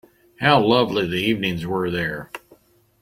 How lovely the evenings were there!